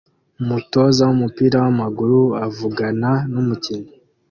Umutoza wumupira wamaguru avugana numukinnyi